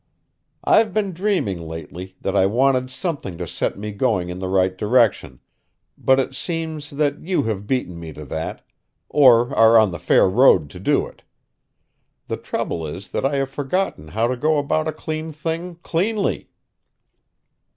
"I've been dreaming lately that I wanted something to set me going in the right direction, but it seems that you have beaten me to that, or are on the fair road to do it. The trouble is that I have forgotten how to go about a clean thing cleanly."